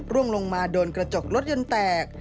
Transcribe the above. ร่วงลงมาโดนกระจกรถยนต์แตก